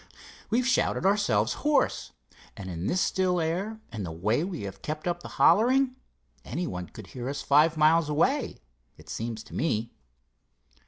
"We've shouted ourselves hoarse, and in this still air and the way we have kept up the hollering, anyone could hear us five miles away, it seems to me."